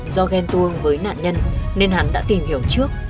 do ghen tuông với nạn nhân nên hắn đã tìm hiểu trước